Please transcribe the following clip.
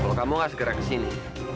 kalau kamu nggak segera kesini